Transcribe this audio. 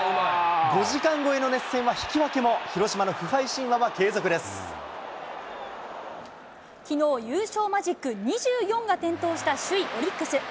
５時間超えの熱戦は引き分けも、きのう、優勝マジック２４が点灯した首位オリックス。